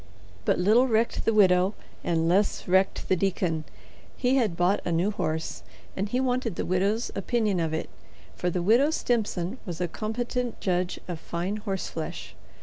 But little recked the widow and less recked the deacon. He had bought a new horse and he wanted the widow's opinion of it, for the Widow Stimson was a competent judge of fine horseflesh.